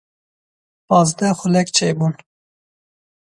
Pazdeh xulek çêbûn.